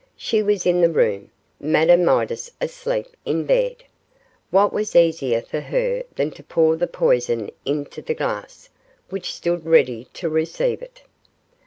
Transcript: She was in the room Madame Midas asleep in bed. What was easier for her than to pour the poison into the glass, which stood ready to receive it?